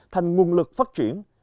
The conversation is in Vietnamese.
thành nguồn lực phát triển